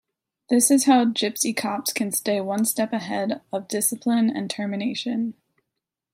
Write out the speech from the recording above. This is how gypsy cops can stay one step ahead of discipline and termination.